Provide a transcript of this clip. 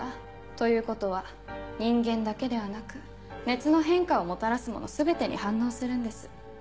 ということは人間だけではなく熱の変化をもたらすもの全てに反応するんです。